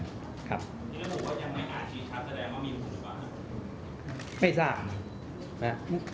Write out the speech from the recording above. คุณผู้ชมก็ยังไม่อ่านสีชัดแสดงว่ามีมูลไหม